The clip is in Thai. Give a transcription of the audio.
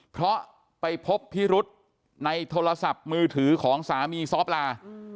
เพราะไปพบพิรุษในโทรศัพท์มือถือของสามีซ้อปลา